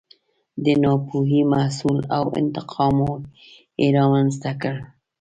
د ناپوهۍ محصول و او انتقامونه یې رامنځته کړل.